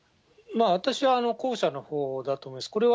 私は後者のほうだと思います。